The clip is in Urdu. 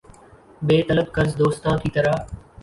بے طلب قرض دوستاں کی طرح